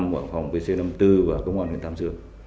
của phòng vc năm mươi bốn và công an huyện tham dương